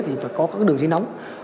thì phải có các đường dây nóng